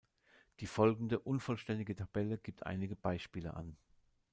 Die folgende, unvollständige Tabelle gibt einige Beispiele an.